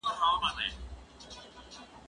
کېدای سي پاکوالي ګډ وي،